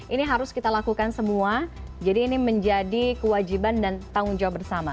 ini harus kita lakukan semua jadi ini menjadi kewajiban dan tanggung jawab bersama